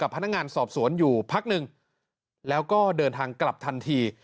พนักงานสอบสวนอยู่พักหนึ่งแล้วก็เดินทางกลับทันที